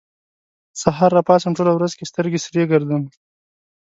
سهار راپاڅم، ټوله ورځ کې سترګې سرې ګرځوم